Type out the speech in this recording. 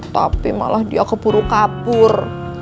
tapi malah dia kepuru kapur